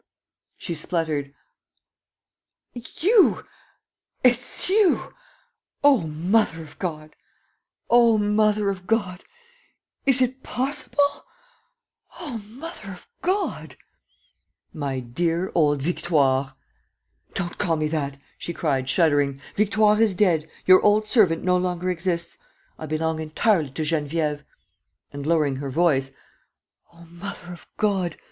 She spluttered: "You! It's you! O mother of God! ... O mother of God! ... Is it possible! ... O mother of God! ..." "My dear old Victoire!" "Don't call me that," she cried, shuddering. "Victoire is dead ... your old servant no longer exists. I belong entirely to Geneviève." And, lowering her voice, "O mother of God!